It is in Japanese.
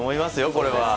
これは。